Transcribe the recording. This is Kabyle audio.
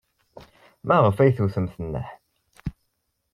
Maɣef ay tewtemt nneḥ?